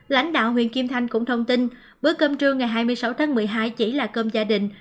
lãnh đạo huyện kim thành cũng thông tin bữa cơm trưa ngày hai mươi sáu tháng một mươi hai chỉ là cơm gia đình